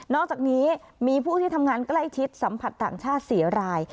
อกจากนี้มีผู้ที่ทำงานใกล้ชิดสัมผัสต่างชาติ๔ราย